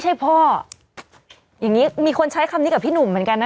ใช่พ่ออย่างนี้มีคนใช้คำนี้กับพี่หนุ่มเหมือนกันนะ